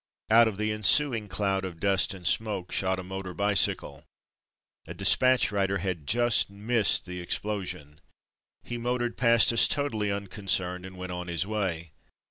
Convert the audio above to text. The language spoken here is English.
Out of the ensuing cloud of dust and smoke shot a motor bicycle. A dispatch rider had just missed the explosion. He motored past us totally unconcerned, and went on his way.